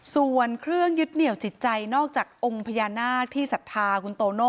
ส่วนเครื่องยึดเหนียวจิตใจนอกจากองค์พญานาคที่ศรัทธาคุณโตโน่